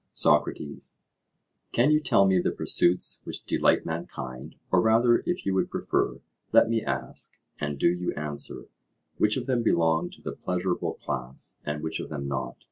SOCRATES: Can you tell me the pursuits which delight mankind—or rather, if you would prefer, let me ask, and do you answer, which of them belong to the pleasurable class, and which of them not?